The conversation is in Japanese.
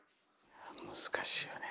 難しいよね。